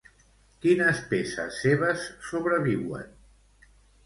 Quines peces seves sobreviuen?